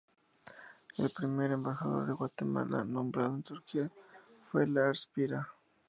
El primer embajador de Guatemala nombrado en Turquía fue Lars Pira.